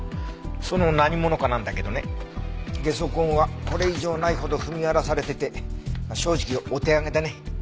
その「何者か」なんだけどねゲソ痕はこれ以上ないほど踏み荒らされてて正直お手上げだね。